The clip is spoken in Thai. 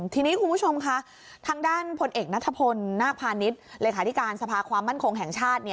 ทีนี้คุณผู้ชมคะทางด้านผลเอกหน้าทภพนพศความมั่นคงแห่งชาติ